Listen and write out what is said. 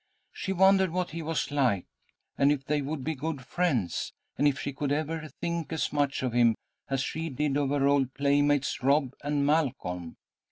She wondered what he was like, and if they would be good friends, and if she could ever think as much of him as she did of her old playmates, Rob and Malcolm.